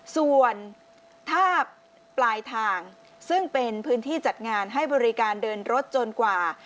ส่วนภาพปลายทางซึ่งเป็นพื้นที่จัดงานให้บริการเดินรถจนกว่า